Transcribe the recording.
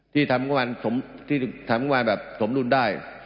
ที่ทำกว่าคุณฮาสมนุนได้